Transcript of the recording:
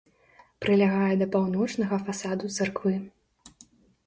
Прылягае да паўночнага фасаду царквы.